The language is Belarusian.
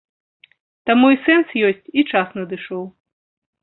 Таму і сэнс ёсць, і час надышоў.